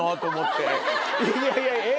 いやいやえっ？